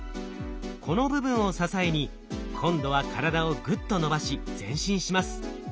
この部分を支えに今度は体をグッと伸ばし前進します。